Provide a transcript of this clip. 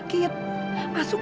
tidak tidak tidak tidak